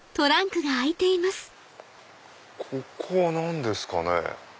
ここは何ですかね？